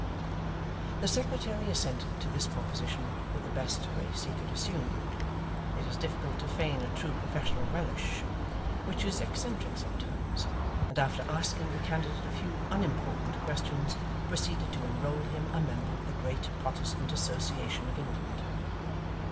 The secretary assented to this proposition with the best grace he could assume it is difficult to feign a true professional relish: which is eccentric sometimes and after asking the candidate a few unimportant questions, proceeded to enrol him a member of the Great Protestant Association of England.